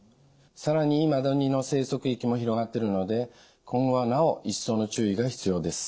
更にマダニの生息域も広がってるので今後はなお一層の注意が必要です。